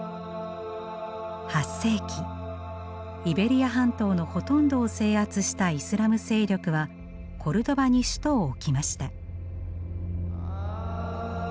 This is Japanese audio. ８世紀イベリア半島のほとんどを制圧したイスラム勢力はコルドバに首都を置きました。